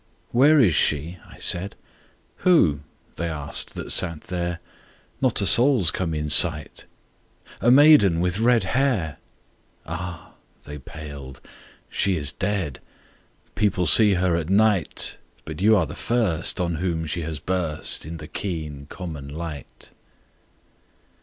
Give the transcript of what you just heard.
"Where is she?" I said: —"Who?" they asked that sat there; "Not a soul's come in sight." —"A maid with red hair." —"Ah." They paled. "She is dead. People see her at night, But you are the first On whom she has burst In the keen common light."